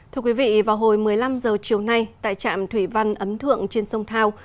thưa quý vị vào hồi một mươi năm h chiều nay tại trạm thủy văn ấm thượng trên sông thao